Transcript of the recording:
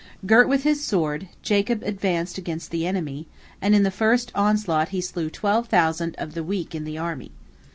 Girt with his sword, Jacob advanced against the enemy, and in the first onslaught he slew twelve thousand of the weak in the army.